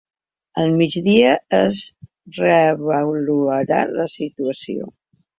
Al migdia es reavaluarà la situació.